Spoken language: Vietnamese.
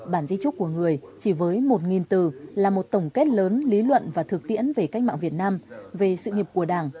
bản di trúc của người chỉ với một từ là một tổng kết lớn lý luận và thực tiễn về cách mạng việt nam về sự nghiệp của đảng